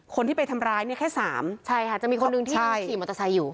คนที่ไปทำร้ายเนี่ยแค่สามใช่ค่ะจะมีคนหนึ่งที่ขี่มอเตอร์ไซค์อยู่